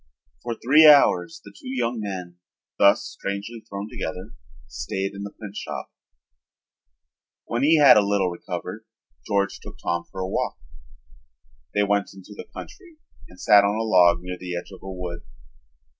For three hours the two young men, thus strangely thrown together, stayed in the printshop. When he had a little recovered George took Tom for a walk. They went into the country and sat on a log near the edge of a wood.